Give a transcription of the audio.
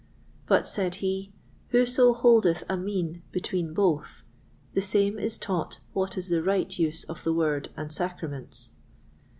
But, said he, whoso holdeth a mean between both, the same is taught what is the right use of the Word and Sacraments.